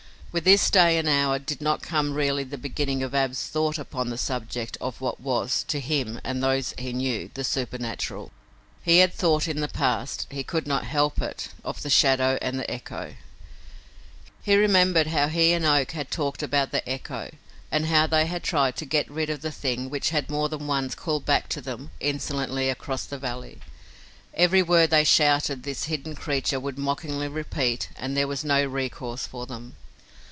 With this day and hour did not come really the beginning of Ab's thought upon the subject of what was, to him and those he knew, the supernatural. He had thought in the past he could not help it of the shadow and the echo. He remembered how he and Oak had talked about the echo, and how they had tried to get rid of the thing which had more than once called back to them insolently across the valley. Every word they shouted this hidden creature would mockingly repeat and there was no recourse for them.